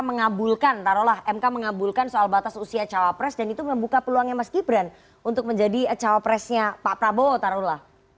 mk mengabulkan taruh lah mk mengabulkan soal batas usia cawapres dan itu membuka peluangnya mas gibran untuk menjadi cawapresnya pak prabowo taruh lah